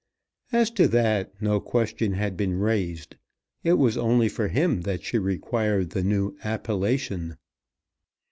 As to that, no question had been raised. It was only for him that she required the new appellation.